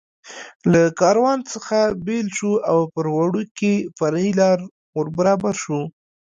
له کاروان څخه بېل شو او پر وړوکې فرعي لار ور برابر شو.